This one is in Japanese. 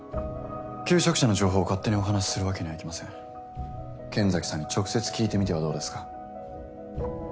求職者の情報を勝手にお話するわけにはい剣崎さんに直接聞いてみてはどうです